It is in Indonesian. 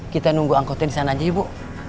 kita nunggu angkotnya di sana aja ibu